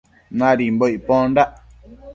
Mibimbobi nicpondac